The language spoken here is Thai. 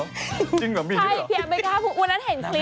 ใช่เขียบไว้ครับพวกเบอร์นั้นเห็นคลิปแล้ว